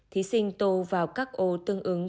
thí sinh tô vào các ô tương ứng